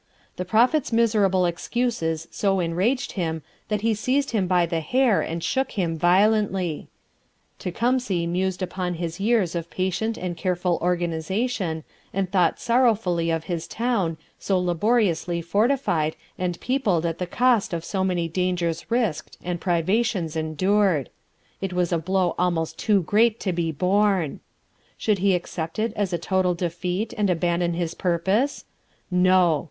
The Prophet's miserable excuses so enraged him that he seized him by the hair and shook him violently. Tecumseh mused upon his years of patient and careful organization, and thought sorrowfully of his town, so laboriously fortified, and peopled at the cost of so many dangers risked and privations endured. It was a blow almost too great to be borne. Should he accept it as a total defeat and abandon his purpose? No!